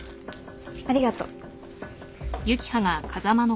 ありがとう。